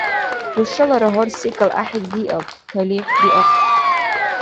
ХӀушалара гьар секӀал гӀяхӀил диаб. ТалихӀ биахъаб!